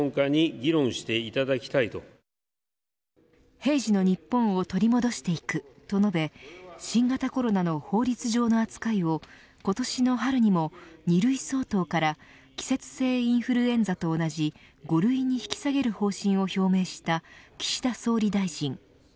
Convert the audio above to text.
平時の日本を取り戻していくと述べ新型コロナの法律上の扱いを今年の春にも２類相当から季節性インフルエンザと同じ５類に引き下げる方針を表明した岸田総理大臣。